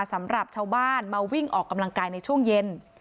สำหรับชาวบ้านมาวิ่งออกกำลังกายในช่วงเย็น